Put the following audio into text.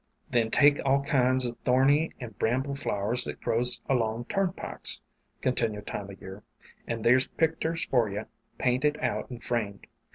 "Then take all kinds o' thorny and bramble flowers that grows along turnpikes," con ^3^° tinued Time o' Year, "and there's picters for yer, painted out and framed.